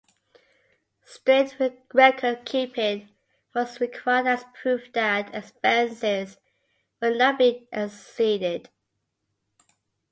Strict record keeping was required as proof that expenses were not being exceeded.